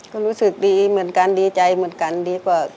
ก็รู้สึกดีเหมือนกันดีใจเหมือนกันดีกว่า